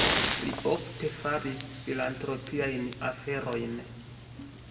Li ofte faris filantropiajn aferojn.